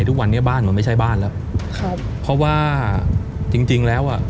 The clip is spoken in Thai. ทุกวันนี้บ้านมันไม่ใช่บ้านแล้วพอว่าจริงแล้วอ่ะ